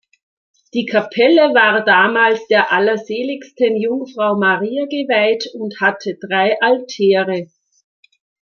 Die Kapelle war damals der allerseligsten Jungfrau Maria geweiht und hatte drei Altäre.